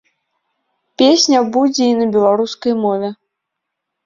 Песня будзе і на беларускай мове.